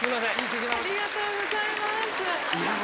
ありがとうございます。